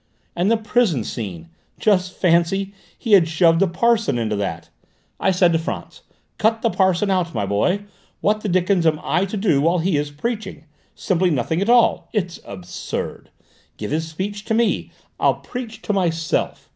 And the prison scene! Just fancy, he had shoved a parson into that! I said to Frantz: 'Cut the parson out, my boy: what the dickens am I to do while he is preaching? Simply nothing at all: it's absurd. Give his speech to me! I'll preach to myself!'